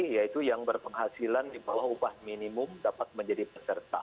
yaitu yang berpenghasilan di bawah upah minimum dapat menjadi peserta